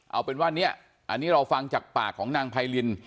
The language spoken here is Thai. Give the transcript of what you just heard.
เอาเป็นว่าเนี่ยอันนี้เราฟังจากปากของนางไพริน